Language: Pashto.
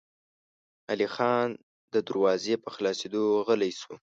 علی خان د دروازې په خلاصېدو غلی شو.